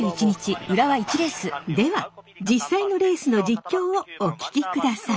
では実際のレースの実況をお聞きください。